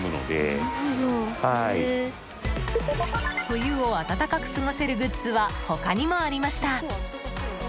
冬を暖かく過ごせるグッズは他にもありました。